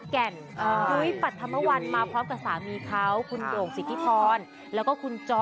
แฮนดี้รากแก่น